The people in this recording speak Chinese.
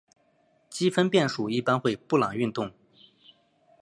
积分变数一般会布朗运动。